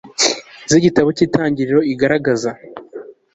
z'igitabo cyi tangiriro igaragaza